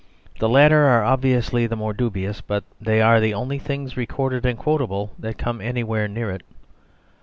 The latter are obviously the more dubious; but they are the only things recorded and quotable that come anywhere near it.